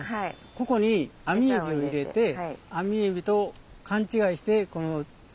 ここにアミエビを入れてアミエビと勘違いしてこの。